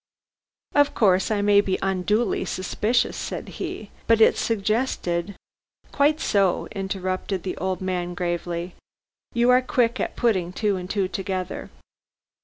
"Of course I may be unduly suspicious," said he. "But it suggested " "Quite so," interrupted the old gentleman gravely. "You are quick at putting two and two together.